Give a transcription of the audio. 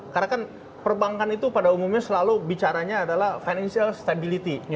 karena kan perbankan itu pada umumnya selalu bicaranya adalah financial stability